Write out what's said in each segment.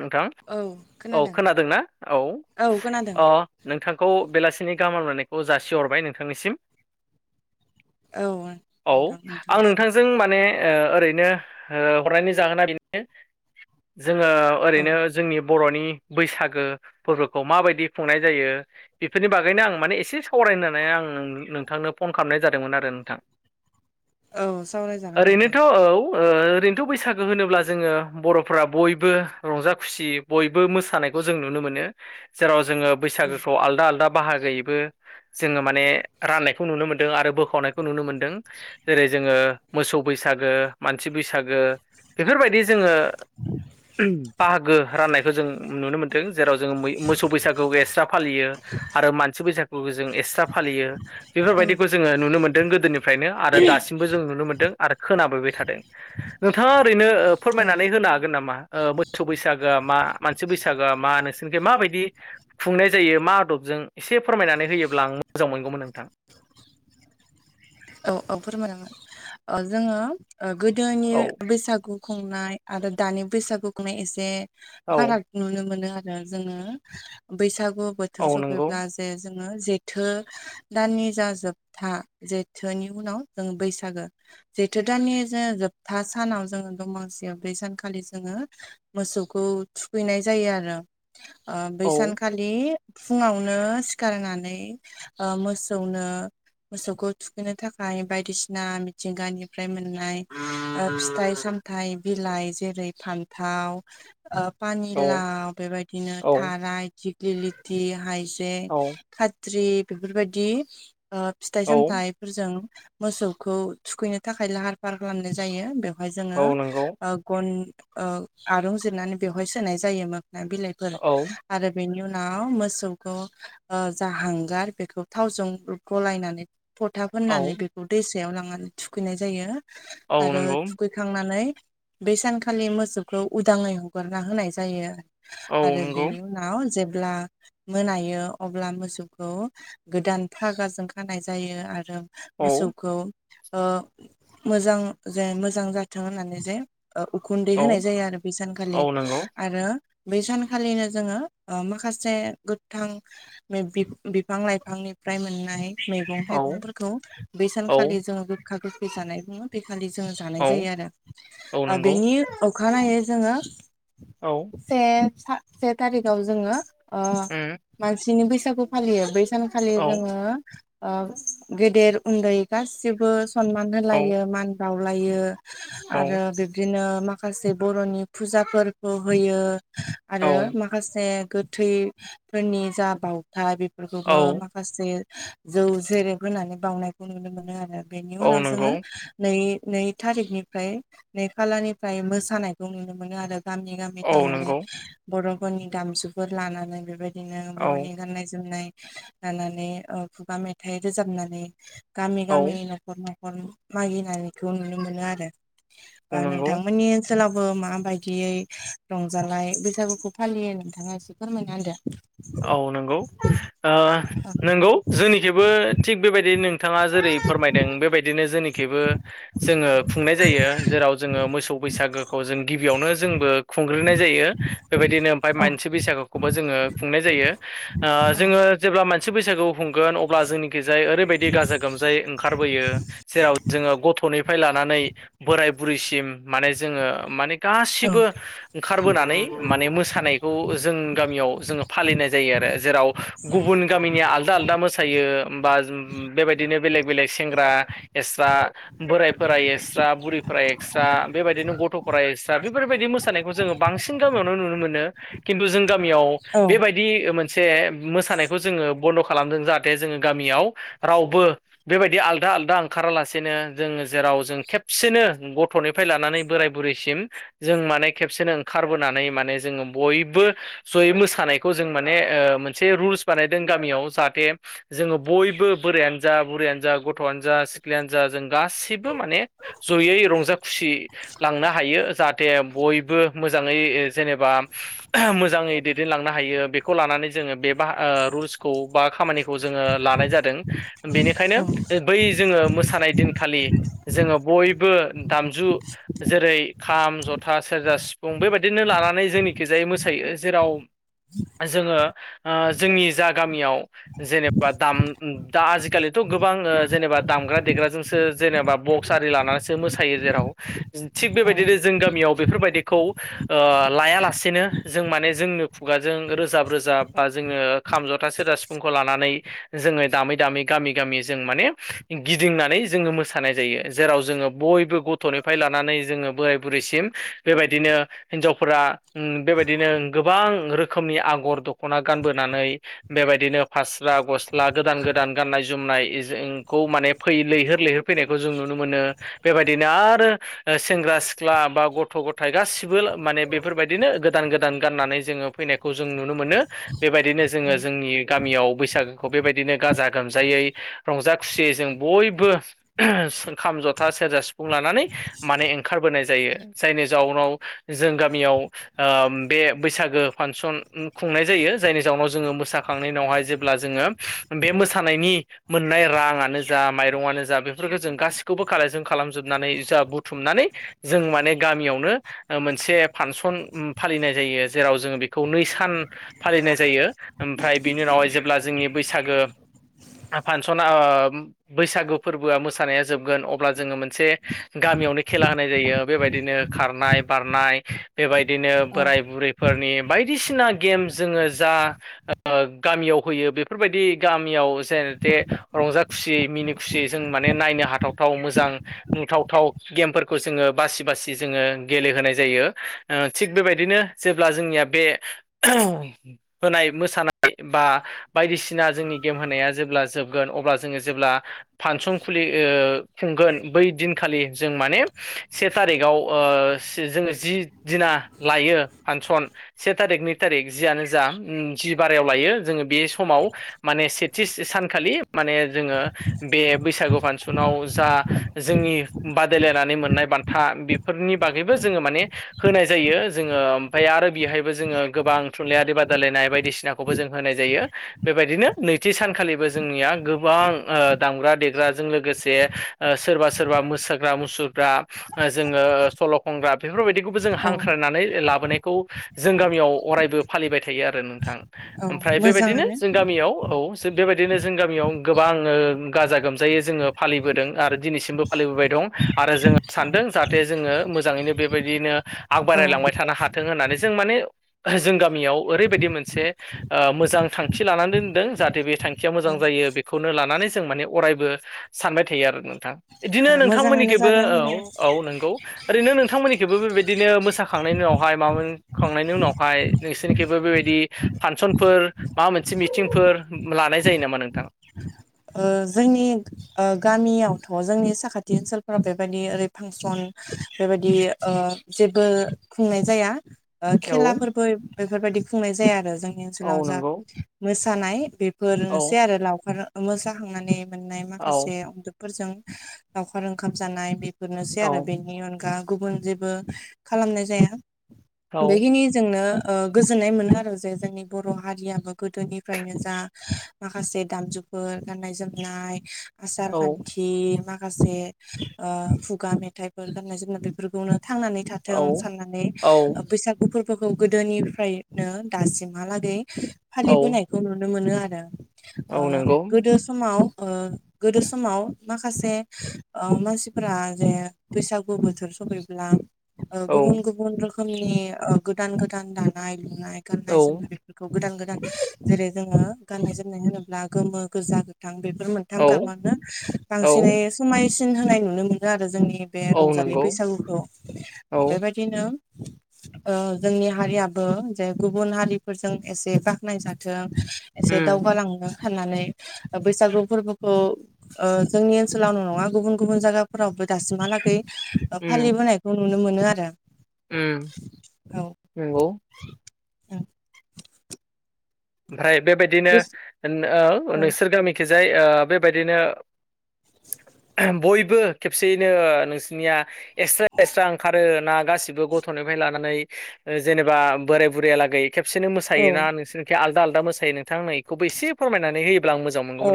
नोंथां औ औ खोनादों खोनादोंना औ अ नोंथांखौ बेलासिनि गाहाम हामलायनायखौ जासिहरबाय नोंथांनिसिम। औ औ नोंथां आं नोंथांसिम नोंथांजों माने ओरैनो ओ हरनायनि जाहोना बेनो जोङो औ ओरैनो जोंनि बर'नि बैसागो फोरबोखौ माबायदि खुंनाय जायो बेफोरनि बागैनो आं माने एसे सावरायनानै आं नोंथांनो फन खालामनाय जादोंमोन आरो नोंथां। औ सावरायजागोन नोंथां ओरैनोथ' औ ओ ओरैनोथ' बैसागो होनोब्ला जोङो बर'फ्रा बयबो रंजा खुसि बयबो मोसानायखौ जों नुनो मोनो जेराव जोंङो औ बैसागोखौ आलदा आलदा बाहागोयैबो जोंङो माने राननायखौ नुनो मोनदों आरो बोखावनायखौ नुनो मोनदों। जेरै जोंङो मोसौ बैसागो मानसि बैसागो बेफोरबायदि जोंङो बाहागो राननायखौ जों नुनो मोन दों जेराव जों मोसौ बैसागुखौ एक्सट्रा फालियो आरो मानसि बैसा गुनखौ जों एक्सट्रा फालियो। औ बेफोरबायदिखौ जोंङो नुनो मोनदों गोदोनिफ्रायनो आरो दासिमबो जों नुनो मोन्दों आरो खोनाबोबाय थादों। नोंथांङा ओरैनो औ फोरमायनानै होनो हागोन नामा ओ मोसौ बैसागोआ मा मानसि बैसागो मा नोंसोरनिखै मा बायदि खुंनाय जायो मा आदबजों एसे फोरमायनानै होयोब्ला आं मोजां मोनगौमोन नोंथां। औ औ फोरमायानांगोन जोंङो गोदोनि औ बैसागु खुंनाय आरो दानि बैसागु खुंनाय एसे औ फाराग नुनो मोनो आरो जोंङो बैसागु बोथोर औ नंगौ सफैब्ला जे जोङो जेथो दाननि जा जोबथा जे थोनि उनाव जों बैसागो जेथो दानानि जो जोबथा सानाव जोङो दमासियाव बै सानखालि जोंङो मोसौखौ थुखैनाय जायो आरो ओ बै औ सानखालि नि फुंङावनो सिखारनानै मोसौनो मोसौखौ थुखैनो थाखाय बायदिसिना मिथिंगानिफ्राय मोननाय फिथाइ साम थाइ बिलाइ जेरै फान्थाव औ पानिलाव बेबायदिनो औ थाराय दिग्लिलिथि हाय बेनि औ खााद्रि बेफोरबायदि ओ फिथाइ औ सामथाइ फोरजों मोसौखौ थुखैनो थाखाय लाहार फाहार खालामनाय जायो बे जोङो औ नंगौ ओ गन ओ आरं जिरनानै सोनाय जायोमोन बिलाइ फोर औ आरो बेनि उनाव मोसौखौ ओ जा हांगार बेखौ थावजों गलायनानै फथा फोनानै औ होननानै बेखौ दैसायाव लांनानै थुखैनाय जायो औ आरो नंगौ थुखै खांनानै बे सानखालि मोसौखौ उदांङै हगारना होनाय जायो। औ आरो नंगौ बेनि उनाव जेब्ला मोनायो अब्ला मोसौखौ गोदान फागाजों खानाय जायो आरो औ मोसौखौ ओ मोजां जे मोजां जाथों होननानै जे उखुन्दै औ होनाय जायो आरो बेै सानखालि औ नंगौ आरो बै सानखालिनो जोंङो ओ माखासे गोथां बिफां लाइफांनिफ्राय मोननाय मैगं औ मैगंफोरखौ बै औ सानखालि जोङो गोखा गोखै जानाय बुङो। बेखालि जोंङो औ जानाय जायो आरो। औ नंगौ बेनि अखानायै जोंङो औ से से थारिखाव जोंङो ओ उम मानसिनि बैसागु फालियो बै सान खालि औ जोंङो गेदेर उन्दै गासिबो सनमान औ होलायो मान बावलायो औ आरो बिब्दिनो मा खासे बर'नि फुजाफोरखौ होयो आरो मा माखासे गोथैफोरनि जा बावथाय औ बेफोरखौबो माखा माखासे जौ जेरेब होनानै बावनायखौ नुनो मोनो आरो बेनि औ उनाव नंगौ जोंङो नै नै थारिखनिफ्राय नै खालानिफ्राय मोसानायखौ नुनो मोनो आरो गामि गामि औ थांनानै नंगौ बर'फोरनि दामुफोर लानानै बेबायदि बिदिनो औ बर'नि गाननाय जोमनाय लानानै खुगा मेथाइ रोजाबनानै गामि औ गामि न'खर न'खर मागिनायखौ नुनो मोनो आरो औ ओ नंगौ नोंथांमोननि ओ ओनसोलावबो माबायदियै रंजालाय बैसागुखौ फालियो नोंथांङा एसे फोरमायना होदो। औ नंगौ ओ नंगौ जोंनिखैबो थिग बेबायदि नोंथाङा जेरै फोरमायदों बेबायदिनो जोंनिखैबो जोंङो खुंनाय जायो जेराव जोङो मोसौ बैसागोखौ जों गिबियावनो जोंबो खुंग्रोनाय जायो। बेबायदिनो ओमफ्राय औ मानसि बैसागुखौबो जोंङो खुंनाय जायो ओ जोंङो जेब्ला मोनसे बैसागु खुंगोन अब्ला जोंनिखि जाय ओरैबायदि गाजा गोमजायै ओंखारबोयो जेराव जोंङो गथ'नि लानानै बोराय बुरैसिम माने जोंङो माने औ गासिबो ओंखारबोनानै माने मोसानायखौ जों गामियाव जोंङो फालिनाय जायो आरो जेराव गुबुन गामिनिया आलदा आलदा मोसायो बा बेबायदिनो बेलेग बेलेग सेंग्रा एस्रा बोरायफोरा एक्सट्रा बुरिफोरा एक्सट्रा बेबायदिनो गथ'फोरा एक्सट्रा बेफोरबायदि मोसानायखौ जोंङो बांसिन गामियावनो नुनो मोनो। खिन्थु जों गामियाव औ बेबायदि मोनसे मोसानायखौ जोंङो बन्द' खालाम खालामदों जाहाथे जोंङो गामियाव रावबो बेबायदि आलदा आलदा ओंखारालासेनो जोंङो जेराव जों खेबसेनो गथ'नि निफ्राय लानानै बोराय बुरैसिम जों माने खेबसेनो ओंखारबोनानै माने जोंङो बयबो जयै मोसानायखौ जों माने मोनसे रुल्स बानायदों गामियाव जाहाथे जोंङो बयबो बोरायानो जा बुराययानो जा गथ'आनो जा सिख्लायानो जा जों गासिबो माने जयै रंजा खुसि लांनो हायो जाहाथे बयबो मोजांङै ओ जेनेबा मोजांङै दैदेनलां हायो बेखौ लानानै जोंङो बे रुल्सखौ बा खामानिखौ जोंङो लानाय जादों। बेनिखायनो बै जोंङो मोसानाय दिनखालि जोंङो बयबो दामजु जेरै खाम जथा सेरजा सिफुं बेबायदिनो लानानै जोंनिखिजायै मोसायो जेराव जोंङो जोंनि जा गामियाव जेनेबा दाम दा आजिखालिथ' गोबां जेनेबा दामग्रा देग्राजोंसो जेनेबा ब कुसारि लानानैसो मोसायो जेराव थिग औ बेबायदिनो जों गामियाव बेफोरबायदिखौ लायालासेनो जों माने जोंनो खुगाजों रोजाब रोजाब बा जोंङो खाम जथा सेरजा सिफुंखौ लानानै जोंङो दामै दामै गामि गामि जों माने गिदिंनानै जोंङो मोसानाय जायो जेराव जोंङो बयबो गथ'निफ्राय लानानै जोंङो बोराय बुरैसिम बेबायदिनो हिनजावफोरा बेबायदिनो गोबां रोखोमनि आगर दख'ना गानबोनानै बेबायदिनो फास्रा गस्ला गोदान गोदान गाननाय जोमनाय जोंखौ माने फै लैहोर लैहोर फैनायखौ जों नुनो मोनो बेबायदिनो आरो सेंग्रा सिख्ला बा गथ' गथाय गासिबो माने बेफोरबायदिनो गोदान गोदान गाननानै जोंङो फैनायखौ जों नुनो मोनो। बेबायदिनो जोंङो औ जोंनि गामियाव बैसागोखौ बेबायदिनो गाजा गोमजायै रंजा खुसियै जों बयबो ओं खाम जथा सेरजा सिफुं लानानै माने ओंखारबोनाय जायो जायनि जाउनाव जों गामियाव बे बैसागो फांसन खुंनाय जायो। जायनि जाउनाव जोंङो मोसाखांनायनि उनावहाय जेब्ला जोंङो बे मोसानायनि मोननाय रांनो जा माइरंआानो जा बेफोरखौ जों गासैखौबो खालजों खालामजोबनानै जा बुथुमनानै जों माने गामियावनो मोनसे फानसन फालिनाय जायो जेराव जोङो बि खौ नै सान फालिनाय जायो ओमफ्राय बिनि उनावहाय जेब्ला जोंनि बैसागो फानसना ओ बैसागु फोरबोआ मोसानाया जोबगोन अब्ला जोङो मोनसे गामियावनो खेला होनाय जायो बेबायदिनो खारनाय बारनाय बेबायदिनो बोराय बुरैफोरनि बायदिसिना गेम जोङो जा ओ गामियाव होयो बेफोरबायदि गामियाव जेनथे रंजा खुसि मिनि खुसियै जों माने नायनो हाथावथाव मोजां नुथावथाव गेमफोरखौ जोङो बासि बासि जोङो गेलेहोनाय जायो। ओ थिग बेबायदिनो जेब्ला जोंनिया बे होनाय मोसानाय बा बायदिसिना जोंनि गेम होनाया जेब्ला जोबगोन अब्ला जोङो जेब्ला फांसन खुलि ओ खुंगोन बै दिनखालि जों माने से थारिखाव ओ जोङो जि दिना लायो फानसन से थारिख नै थारिख जियानो जा जि बारायाव लायो जोङो बे समाव माने सेथि सानखालि माने जोङो बे बैसागु फानसनाव जा जोंनि बादायलायनानै मोननाय बान्था बेफोरनि बागैबो जोङो माने होनाय जायो जोङो ओमफ्राय आरो बेहाय बो जोङो गोबां थुनलाइयारि बादायलायनाय बायदिसिनाखौबो जों होनाय जायो। बेबायदिनो नैथि सानखालिबो जोंनिया गोबां ओ दामग्रा देग्राजों लोगोसे ओ सोरबा सोरबा मोसाग्रा मुसुरग्रा जोङो सल' खनग्रा बेफोरबायदि खौबो जों औ हांख्रायनानै लाबोनायखौ जों गामियाव अरायबो फालिबाय थायो आरो नोंथां। औ ओमफ्राय बेबायदिनो मोजाङानो जों गामियाव औ बेबायदिनो जों गामियाव गोबां ओ गाजा गोमजायै जोङो फालिबोदों आरो दिनैसिमबो फालिबोबाय दं। आरो जोङो सानदों जाहाथे जोङो मोजाङैनो बेबायदिनो आग औ बारायलांबाय थानो हाथों होननानै जों माने जों गामियाव ओरैबायदि मोनसे ओ मोजां थांखि लानानै दोनदों जाहाथे बे थां खिया मोजां औ जायो बेखौनो लानानै जों माने अरायबो सानबाय थायो आरो नोंथां। औ इदिनो मोजाङानो नोंथांमोननिखैबो जादों औ बे औ नंगौ ओरैनो नोंथांमोननिखैबो बेबायदिनो मोसाखांनायनि उनावहाय माबा खांनायनि उनावहाय नोंसोरनिखैबो बेबायदि फानसनफोर माबा मोनसे मिटिंफोर लानाय जायो नामा नोंथां? ओ जोंनि ओ गामियावथ' जोंनि साखाथि ओनसोलफोराव बेबायदि ओरै फांसन बेबायदि ओ जेबो खुंनाय जाया। ओ औ खेलाफोरबो बेफोरबादि खुंनाय जाया आरो जोंनि औ ओनसोलाव जा नंगौ मोसानाय बे औ फोरनोसै आरो लावखार मोसाखांनानै मोननाय औ माखासे फोरजों लावखार ओंखाम जानाय बेफोरनोसै औ आरो बेनि अनगा गुबुन जेबो खालामनाय जाया औ बेखिनिजोंनो ओ गोजोननाय मोनो आरो जे जोंनि बर' हारियाबो गोदोनिफ्रायनो जा माखासे दामजु फोर गान्नाय जोमनाय आसार औ खान्थि दि माखासे ओ खुगा मेथाइफोर गाननाय जोमनाय बेफोरखौनो थांनानै थाथों औ साननानै औ बैसागु फोर बोखौ गोदोनिफ्रायनो दासिमहालागै औ फालिबोनायखौ नुनो मोनो आरो। ओ औ नंगौ गोदो समाव ओ गोदो समाव माखासे ओ मानसिफोरा जे बैसागु बोथोर सफैब्ला ओ औ गुबुन गुबुन रोखोमनि ओ गोदान गोदान दानाय लुनाय गाननाय औ जोमनाय खौ गोदान गोदान जेरै जोङो गाननाय जोमनाय होनोब्ला गोमो गोजा गोथां बेफोर मोन नथाम औ गाबो औ बांसिनै समायसिन होनाय नुनो मोनो आरो जोंनि बे औ रंजालि नंगौ बैसागुखौ औ बेबायदिनो जोंनि हारियाबो जे गुबुन हारिफोरजों एसे बाखनाय जाथों एसे उम दावगालांनो होननानै बैसागु फोरबोखौ ओ जोंनि ओनसोलावनो' नङा गुबुन गुबुन जायगाफोरावबो दासिमहालागै उम फालिबोनायखौ नुनो मोनो आरो उम नंगौ ओमफ्राय बेबायदिनो ओ नोंसोर गामिखिजाय ओ बेबायदिनो बयबो खेबसेयैनो नोंसिनिया एसे एससा ओंखारो ना गासिबो गथ'निफ्राय लानानै जेनेबा बोराय बुरैयालागै खेबसेनो औ मोसायोना नोंसोरनिखै आलदा आलदा मोसायो नोंथां आ बेखौबो एसे फोरमायनानै होयोब्ला आं मोजां मो औ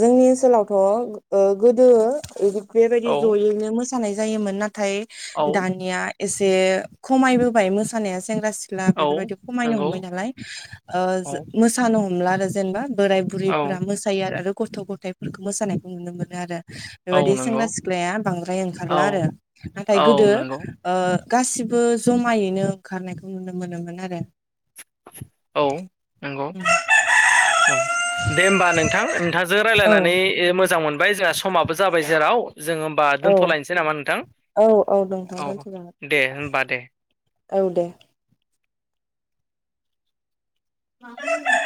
जोंनि ओनसोलावथ' गोदो बेबायदि औ जयैनो मोसानाय जायोमोन नाथाय औ दानिया एसे खमायबोबाय मोसानाया सेंग्रा सिख ख्ला औ बेफोरबायदि खमायनो नंगौ हमबाय नालाय औ मोसानो हमला आरो जेनेबा बोराय औ बुरैफोरा मोसायो आरो गथ' गथाइफोरखौ मोसानायखौ नुनो मोनो आरो औ बेबायदि नंगौ सेंग्रा सिख्लाया बांद्राय औ ओंखारला आरो नाथाय औ गोदो नंगौ ओ गासिबो जमायैनो ओंखारनायखौ नुनो मोनोमोन आरो औ नंगौ उम दे होमबा नोंथां नोंथांजों औ रायज्लायनानै मोजां मोनबाय जोंहा समाबो जाबाय जेराव जोङो होमबा औ दोनथ'लायनोसै नामा नोंथां औ नोंथां औ दोनथ' जागोन दे होमबा दे औ दे [inaudible]